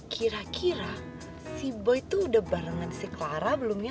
kira kira si boy itu sudah bareng si clara belum ya